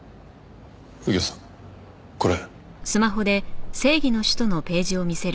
右京さんこれ。